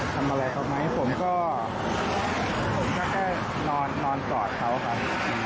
ทำอะไรครับมั้ยผมก็แค่นอนตรอดเขาครับ